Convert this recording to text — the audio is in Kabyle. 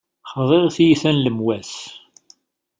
Xḍiɣ tiyita n lemwas.